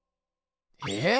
えっ？